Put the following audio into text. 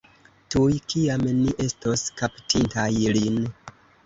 Tuj kiam ni estos kaptintaj lin.